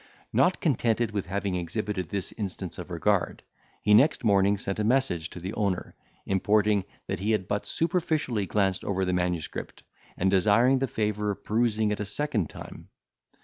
Not contented with having exhibited this instance of regard, he next morning sent a message to the owner, importing, that he had but superficially glanced over the manuscript, and desiring the favour of perusing it a second time.